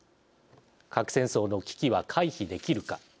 核戦争の危機は回避できるか。